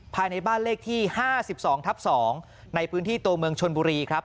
ภายในบ้านเลขที่๕๒ทับ๒ในพื้นที่ตัวเมืองชนบุรีครับ